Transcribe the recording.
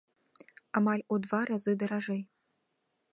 Амаль у два разы даражэй.